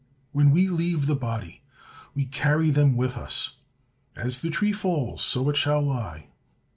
When we leave the body, we carry them with us: "As the tree falls, so it shall lie."